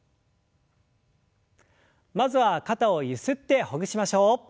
まずは肩をゆすってほぐしましょう。